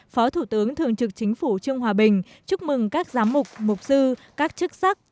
phó thủ tướng thường trực chính phủ trương hòa bình chúc mừng các giám mục mục sư các chức sắc